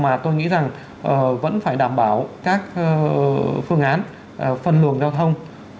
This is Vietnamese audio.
mà tôi nghĩ rằng vẫn phải đảm bảo các phương án phân luồng giao thông